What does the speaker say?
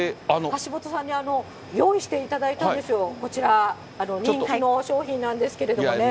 橋本さんに用意していただいたんですよ、こちら、人気の商品なんですけれどもね。